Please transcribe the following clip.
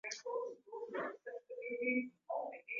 halafu anakata kuwatii wao anawakai